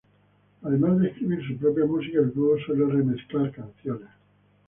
Además de escribir su propia música, el dúo suele remezclar canciones.